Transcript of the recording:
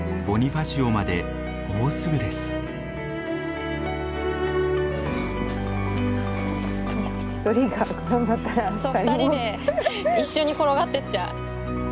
そう２人で一緒に転がってっちゃう。